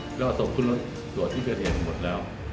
ก็ทราบศพคนโตต่ว่าที่เกิดเห็นหมดแล้ว